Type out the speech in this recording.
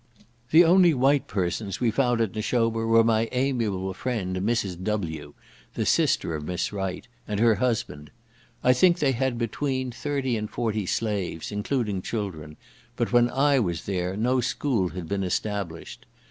The only white persons we found at Nashoba were my amiable friend, Mrs. W—, the sister of Miss Wright, and her husband. I think they had between thirty and forty slaves, including children, but when I was there no school had been established.